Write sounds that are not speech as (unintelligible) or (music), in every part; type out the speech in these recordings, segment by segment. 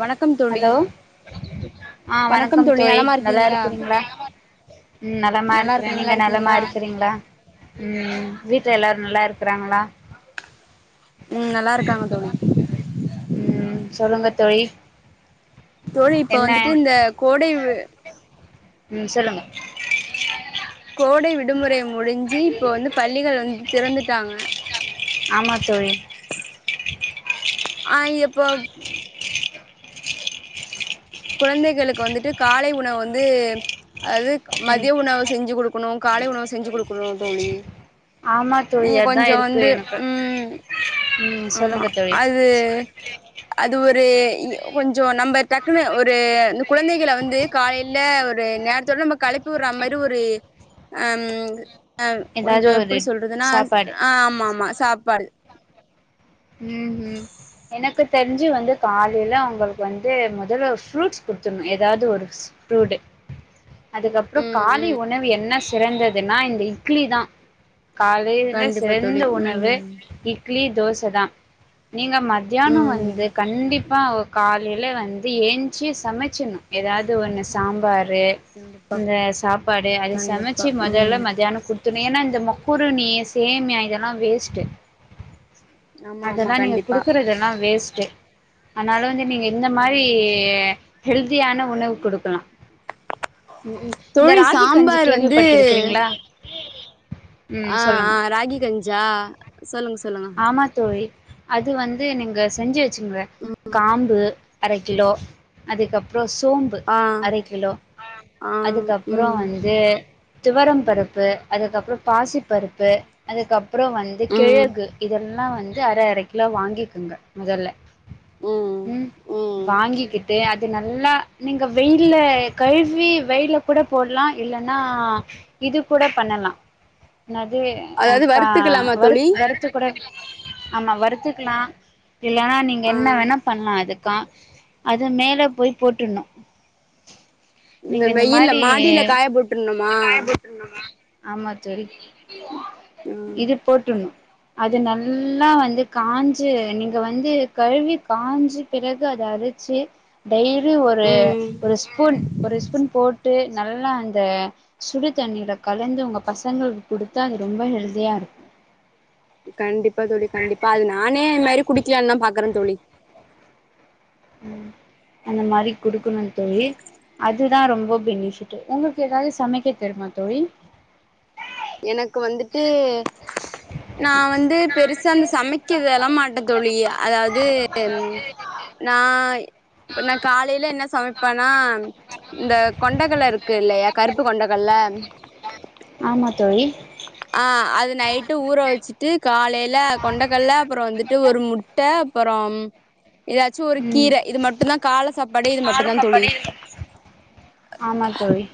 வணக்கம் தோழி ஹலோ ஆஹ் வணக்கம் தோழி நல்லா இருக்கிறீங்களா உம் நலமா நல்லா இருக்கிறே. இருக்க நல்லா நீங்க நலமா இருக்கீங்களா இருக்கிறீங்களா, உம் வீட்டுல எல்லாரு நல்லா இருக்கறாங்களா. ம் நல்லா இருக்காங்க தோழி உம் சொல்லுங்க தோழி தோழி இப்ப என்ன வந்துட்டு இந்த கோடை உம் சொல்லுங்க கோடை விடுமுறை மு முடிஞ்சு இப்ப வந்து பள்ளிகள் வந்து திறந்துட்டாங்க ஆமா தோழி ஆஹ் இப்போ குழந்தைகளுக்கு வந்துட்டு காலை உணவு வந்து அது ம் மதிய உணவு செஞ்சு குடு க்கோனு காலை உணவு செ ஆமா தோழி நீங்க அதா கொஞ்சோ இருக்கு வந்து எனக்கு ம் ம் ஆமா சொல்லுங்க தோழி அது அது ஒரு று இ கொஞ்சொ நம்ப டக்குன்னு ஒரு ந்த குழந்தைகள வந்து காலையில ஒரு நேரத்தோட நம்ம கெளப்பி விடுற மாரி ஒரு ஹம் அவ் ஏதாவது கொஞ்சொ ஒரு எப்படி சொல்றதுன்னா சாப்பாடு ஆஹ் ஆமா ஆமா சாப் பாடு ஹ்ம் ஹ்ம் எனக்கு தெரிஞ்சு வந்து காலைல அவங்களுக்கு வந்து மொதல்ல ஒரு ஃப்ரூட்ஸ் குடுத்துரணு எதாவது ஒரு ஃப்ரூட் அதுக்கப்புறொ ம் காலை ம் உணவு என்ன சிறந்ததுன்னா இந்த இட்லி தான் காலையில கண்டிப்பா தோழி சிறந்த உணவு ம் இட் இட்லி தோசை தான் நீங்க மத்தியானம் ம் வந்து கண்டிப் ப்பா ஒ காலையில வந்து ஏஞ்சு சமைச்சர்ணு எதாவது ஒன்னு சாம்பார் ரு கண்டிப்பா இந்த சாப்பாடு அத கண்டிப்பா சமச்சு ம் மொதல்ல மத்தியானம் குடு த்துடுனு ஏன்னா இந்த மக்குருனீ சேமியா இதெல்லா வேஸ்ட் ஆமா ஆமா அதெல்லா நீங்க கண்டிப்பா குடுக்குறதெல்லா வேஸ்ட் ஆனாலு வந்து நீங்க இந்த மாதிரி ம் ஹெல்தியான உணவு கொடுக்கலா உம் இந்த தோழி ராகி கஞ்சி சாம்பார் வந்து கேள்விப்பட்டிருக்கிறீங்களா ம் ஆ ஆ சொல்லுங்க ராகி கஞ்சா சொல்லுங்க சொ ஆமா தோழி அது வந்து நீங்க செஞ்சு வச் ங்கள ம் காம்பு அரை கிலோ அதுக்கப்பு அப்புறம் சோம்பு ஆ அரை கிலோ ஆ அதுக்கப்புறம் ம் வந்து துவரம் பருப்பு அதுக்கப்புறம் பாசிப் பருப்பு அதுக்கப்புறம் வந்து ம் கிழகு ல்லா வந்து அர அர கிலோ வாங்கிக்குங்க முதல ம் உம் ம் வாங்கிக்கிட் அது நல்லா நீங்க வெயில கழுவி வெயில கூட போடலா இல்லைன்னா இது கூட பண்ணலா என்னது ஆ அதாவது கா வறுத்துக்கலாமா தோழி வறுத் வறுத்து ஆமா வருத்துக்கலா இல்லைன்னா நீங்க ஆ என்ன வேணா பண்ணலா அது க்க அது மேல போய் போட்டுணு இந்த வெயில்ல மாடியில காய போட்டுணுமா ஆமா தோழி ம் இது போட்டுணும். அது நல்லா வந்து காஞ்சு நீங்க வந்து கழுவி காஞ்சு பிறகு அத அரிச்சு டெய்லி ஒரு ம் ஒரு ஸ்பூன் ஒரு ஸ்பூன் போட்டு நல்லா அந்த சுடு தண்ணில கலந்து உங்க பசங்களுக்கு கொடுத்தா அது ரொம்ப ஹெல்தியா இருக்கு கண்டிப்பா தோழி கண்டிப்பா அது நானே இது மாதிரி குடிக்கலானு தா பாக்குறே தோழி. ம் அந்த மாரி கொடுக்கணுனு தோழி அதுதா ரொம்ப பெனிஃபிட் உங்க ஏதாவது சமைக்க தெருமா தோழி. எனக்கு வந்துட்டு நா வந்து பெருசா அந்த சமைக் க்கு இதுல்லா மாட்டே தோழி அதாவது நா இப் நா காலையில என்ன சமைப்பேன்னா இந்த கொண்டைகல்ல இருக்கு இல்லையா கருப்பு கொண்டகல்ல ஆமா தோழி. ஆஹ் அது நைட்டு ஊற வச்சிட்டு காலையில கொண்டக்கடல அப்புறோ வந்துட் ட்டு ஒரு முட்டை அப்புறோ ஏதாச்சும் ஒரு ம் கீர இது மட்டும் தான் காளை சாப்பாடு இது மட்டும் தான் தோழி. ஆமா தோழி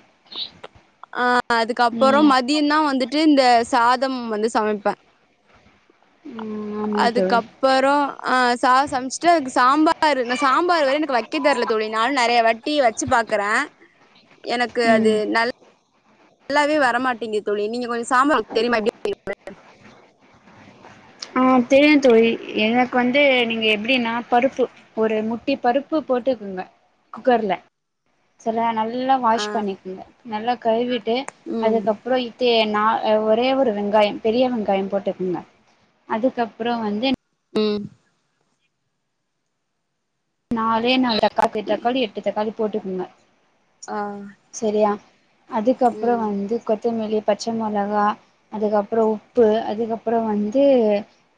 ஆஹ் அதுக்கப்புறோ ம் மதியம் தான் வந்துட் ட்டு இந்த சாதம் வந்து சமைப்பேன். ம் ஆமா தோழி அதுக்கப்புறோ ஆஹ் சா சமைச்சுட்டு அதுக்கு சாம்பார் நான் சாம்பார் வர எனக்கு வைக்க தரல தோழி நானும் நெறைய வட்டி வச்சு பாக்குறேன் எனக்கு அது ம் நல் நல்லாவே வரமாட்டீங் தோழி நீங்க கொஞ் சாம்பார் வைக்க தெரியிமா எப்டி எப்டி ஆ தெரியு தோழி எனக்கு வந்து நீங்க எப்டின்னா பருப்பு ஒரு முட்டி பருப்பு போட்டுக்குங்க குக்கர்ல செல நல் நல்லா ஆ வாஷ் பண்ணிக்குங்க நல்லா கழுவிட் டு ம் அதுக்கப்புறோ இத்து னா ஒரே ஒரு வெங்காயம் பெரிய வெங்காயம் போட்டுக்குங்க அதுக்கப்றோ வந்து உம் நாலே நால் தக் (unintelligible) தக்காளி எட்டு தக்காளி போட்டுக்குங்க ஆ செரியா அதுக்கப்பற ம் வந்து கொத்தமல்லி பச்ச மொளகா அதுக்கப்றோ உப்பு அதுக்கப்பறோ வந்து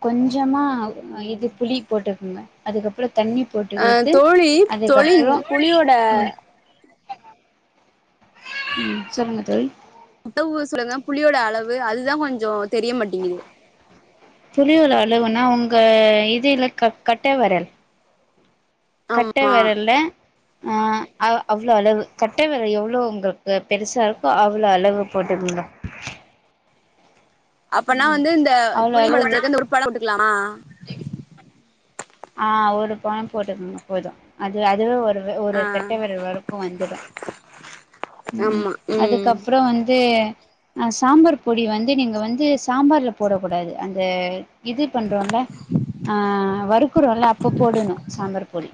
கொஞ்சமா அ ம் இது புளி போட்டுக்குங்க அதுக்கப்றோ தண்ணி அ போட்டுக்கிட்டு தோழி தோழி அதுக்கப்புறோ புளியோட ம் சொல்லுங்க தோழி உப்ப ஊ சொல்லுங்க புளியோட அளவு அதுதா கொஞ்சோ தெரிய மாட்டிங்குது புளியோல அளவுனா ஒங்க இதில க கட்ட வெரல் கட்ட ஆமா வெரல்ல ஆ அ அவ்ளோ அளவு கட்ட வெர எவ்ளோ உங்கள்க்கு பெருசாருக்கோ அவ்ளோ அளவு போட்டுக்குங்க அப்பனா ம் வந்து இந்த புளியம்பழத்துலக்க இந்த ஒரு பழ போட்டுக்கலாமா செரி ஆ ஒரு பழம் போட்டுக்கங்க போது அது அதுவே ஒரு ஒரு ஆ கட்டவெரல் வரக்கு வந்துடு உம் ஆமா ம் அதுக்கப்றோ வந்து அ சாம்பார் பொடி வந்து நீங்க வந்து சாம்பார்ல போடக் கூடாது அந்த இது பண்றோன்ல ஆ க்குரோல்ல அப்ப போடணு சாம்பார் பொடி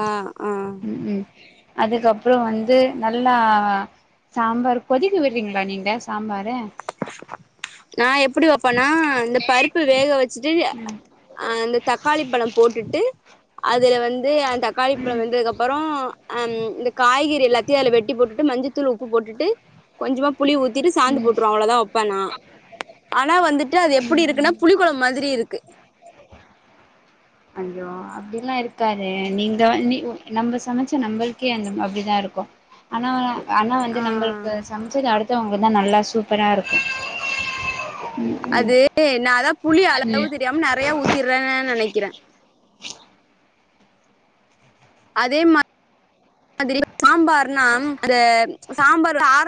ஆ ஆ உம் உம் அதுக்கப்றோ வந்து நல்லா சாம்பார் கொதிக்க விட்ரீங்களா நீங்க சாம்பார நா எப்புடி வப் பனா அந்த பருப்பு வேக வச் ச்சிட்டு ம் அஹ் அந்த தக்காளி பழம் போட்டுட்டு அதுல வந்து தக்காளி பழம் வெந்ததுக்கு அப்புறோ ஆஹ இந்த காய்கறி எல்லாத்தையும் அதில் வெட்டி போட்டுட்டு மஞ்சத்தூள் உப்பு போட்டுட்டு கொஞ்சமா புளி ஊத்திட்டு சாந்து ம் போட்டுருவேன் அவ்ளோ தான் அப்பனா ஆனா வந்துட்டு அது எப்படி இருக்குன்னா ம் புளி குழம்பு மாதிரி இருக்கு ஐயோ அப்படிலா இருக்காதே நீங்க நீ நம்ம சமைச்ச நம்மளுக்கே அந்த அப்படிதான் இருக்கும் ஆனா ஆனா வந்து ஆ நம்மளுக்கு சமைச்சது அடுத்தவங்க அ தான் நல்லா சூப்பராக இருக்கும் அது நான் அதான் புளி அளவு தெரியாம நிறைய ஊத்திடுறேன்னு நெனைக் க்கிறேன் அதே மா திரி சாம்பார்னா அத சாம்பார் வந்து ஆரஞ்சு